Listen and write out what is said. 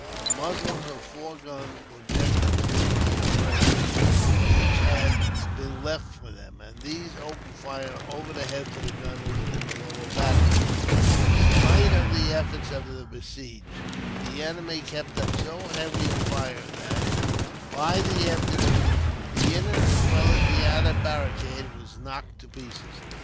The muzzles of four guns projected through embrasures, which had been left for them, and these opened fire over the heads of the gunners in the lower battery. In spite of the efforts of the besieged, the enemy kept up so heavy a fire that, by the afternoon, the inner as well as the outer barricade was knocked to pieces.